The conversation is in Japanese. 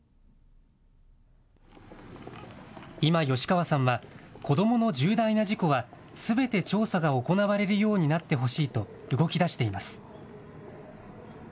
今、吉川さんは子どもの重大な事故はすべて調査が行われるようになってほしいと動きだしています。